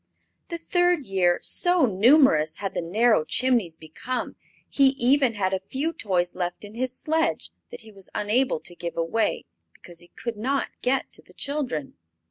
The third year, so numerous had the narrow chimneys become, he even had a few toys left in his sledge that he was unable to give away, because he could not get to the children.